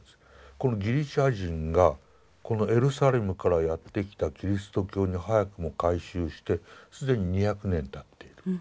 このギリシャ人がこのエルサレムからやって来たキリスト教に早くも改宗して既に２００年たっている。